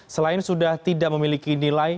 selain sudah tidak memiliki nilai